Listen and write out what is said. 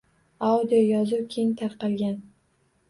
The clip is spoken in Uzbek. Audio yozuv keng tarqalgan